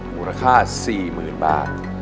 มูลค่า๔๐๐๐บาท